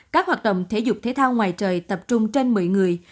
các hoạt động thể dục thể thao ngoài trời tập trung trên một mươi người